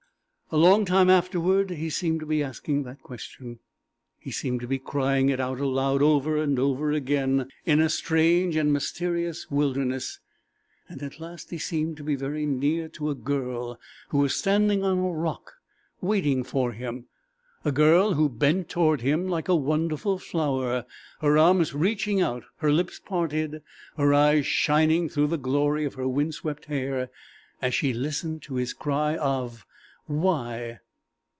_ A long time afterward he seemed to be asking that question. He seemed to be crying it out aloud, over and over again, in a strange and mysterious wilderness; and at last he seemed to be very near to a girl who was standing on a rock waiting for him; a girl who bent toward him like a wonderful flower, her arms reaching out, her lips parted, her eyes shining through the glory of her windswept hair as she listened to his cry of "_Why?